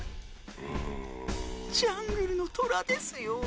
ジャングルのトラですよ。